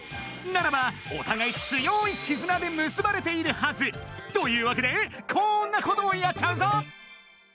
ならばおたがい強い絆でむすばれているはず！というわけでこんなことをやっちゃうぞ！